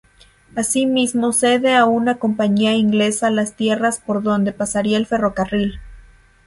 Asimismo, cede a una compañía inglesa las tierras por donde pasaría el ferrocarril.